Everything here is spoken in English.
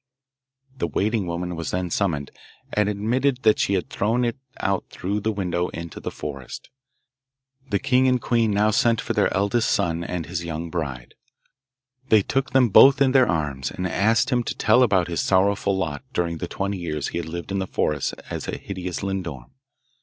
The waiting woman was then summoned, and admitted that she had thrown it out through the window into the forest. The king and queen now sent for their eldest son and his young bride. They took them both in their arms, and asked him to tell about his sorrowful lot during the twenty years he had lived in the forest as a hideous lindorm.